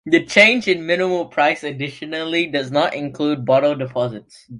The change in minimum price additionally did not include bottle deposits.